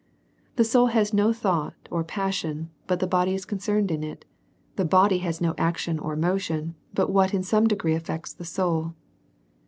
The soul has no thought or passion but the body is concerned in it ; the body has no action or motion but what in some degree aifects the soul.